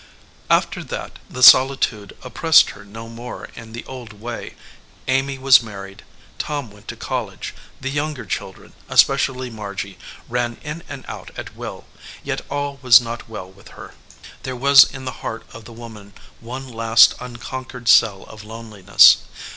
After that the solitude oppressed her no more in the old way. Amy was married. Tom went to college, the younger children, especially Margy, ran in and out at will, yet all was not well with her. There was in the heart of the woman one last un conquered cell of loneliness.